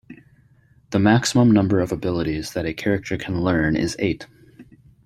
The maximum number of abilities that a character can learn is eight.